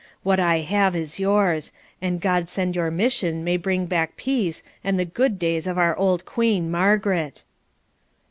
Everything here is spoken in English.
What I have is yours; and God send your mission may bring back peace and the good days of our old Queen Margaret!'